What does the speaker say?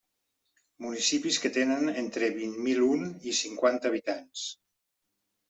Municipis que tenen entre vint mil un i cinquanta habitants.